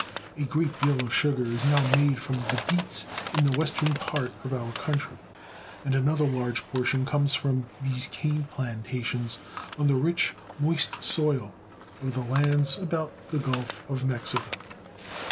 A great deal of sugar is now made from beets in the western part A Sugar Plantation. of our country, and another large portion comes from these cane plantations on the rich, moist soil of the lands about the Gulf of Mexico.